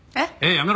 やめろ！